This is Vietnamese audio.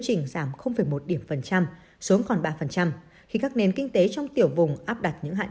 chỉnh giảm một điểm phần trăm xuống còn ba khi các nền kinh tế trong tiểu vùng áp đặt những hạn